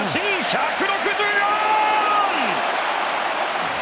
１６４！